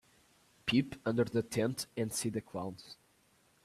Peep under the tent and see the clowns.